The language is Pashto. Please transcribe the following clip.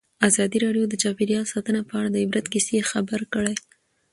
ازادي راډیو د چاپیریال ساتنه په اړه د عبرت کیسې خبر کړي.